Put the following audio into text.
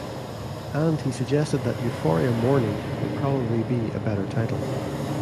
And he suggested that "Euphoria Morning" would probably be a better title.